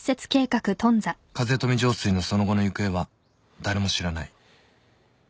［風富城水のその後の行方は誰も知らない］